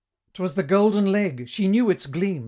'Twas the Golden Leg! she knew its gleam!